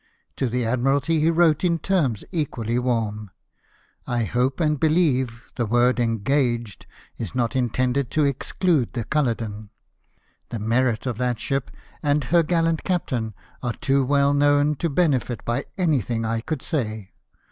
To the Admiralty he wrote in terms equally warm. " I hope and believe the word engaged is not intended to exclude the Culloden. The merit of that ship, and her gallant captain, are too well known to benefit by anything I could say.